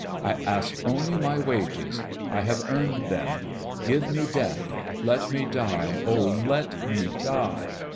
I ask only my wages. I have earned them. Give me death ; let me die, oh, let me die!